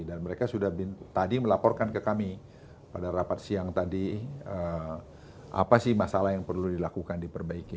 dan mereka sudah tadi melaporkan ke kami pada rapat siang tadi apa sih masalah yang perlu dilakukan diperbaiki